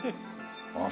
ああ